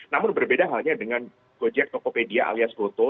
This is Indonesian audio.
namun berbeda halnya dengan gojek tokopedia alias goto